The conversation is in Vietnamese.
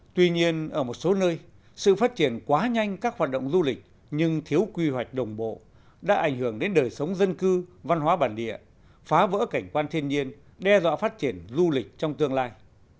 tuy nhiên ở một số nơi sự phát triển quá nhanh các hoạt động du lịch nhưng thiếu quy hoạch đồng bộ đã ảnh hưởng đến đời sống dân cư văn hóa bản địa phá vỡ cảnh quan thiên nhiên đe dọa phát triển du lịch trong tương lai